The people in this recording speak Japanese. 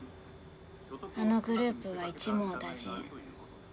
あのグループは一網打尽。